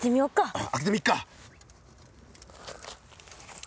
うん開けてみっか。